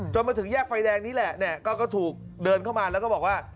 มาถึงแยกไฟแดงนี้แหละเนี่ยก็ถูกเดินเข้ามาแล้วก็บอกว่า